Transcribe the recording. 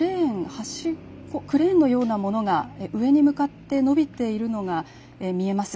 クレーンのようなものが上に向かって伸びているのが見えます。